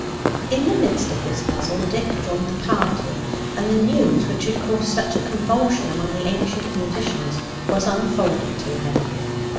In the midst of this puzzle Dick joined the party, and the news which had caused such a convulsion among the ancient musicians was unfolded to him.